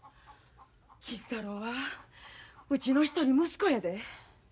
金太郎はうちの一人息子やで。